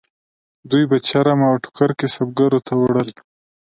دوی به چرم او ټوکر کسبګرو ته ووړل.